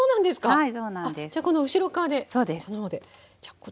はい。